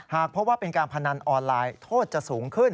หากพบว่าเป็นการพนันออนไลน์โทษจะสูงขึ้น